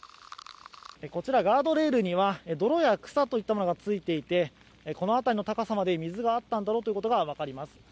こちら、ガードレールには泥や草といったものがついていてこの辺りの高さまで水があったんだろうということがわかります。